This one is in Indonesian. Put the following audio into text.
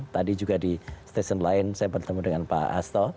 tadi juga di stasiun lain saya bertemu dengan pak hasto